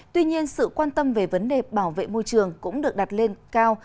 tuy nhiên sự quan tâm về vấn đề bảo vệ môi trường cũng được đặt lên cao